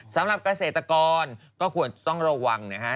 สำหรับเกษตรกรก็ควรต้องระวังนะฮะ